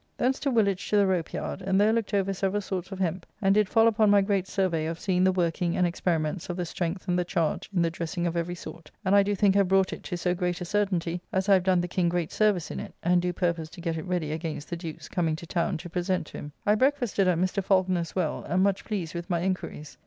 Thence to Woolwich to the Rope yard; and there looked over several sorts of hemp, and did fall upon my great survey of seeing the working and experiments of the strength and the charge in the dressing of every sort; and I do think have brought it to so great a certainty, as I have done the King great service in it: and do purpose to get it ready against the Duke's coming to town to present to him. I breakfasted at Mr. Falconer's well, and much pleased with my inquiries.